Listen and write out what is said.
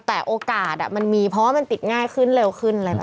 แต่โอกาสมันมีเพราะว่ามันติดง่ายขึ้นเร็วขึ้นอะไรแบบนี้